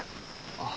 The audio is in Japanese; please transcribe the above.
あっ。